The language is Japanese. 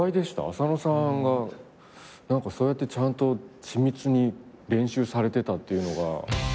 浅野さんがそうやってちゃんと緻密に練習されてたっていうのが。